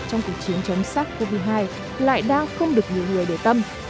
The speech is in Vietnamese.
trong cuộc chiến chống sát covid một mươi chín lại đang không được nhiều người để tâm